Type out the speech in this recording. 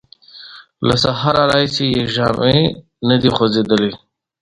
له سهاره راهیسې یې ژامې نه دې خوځېدلې!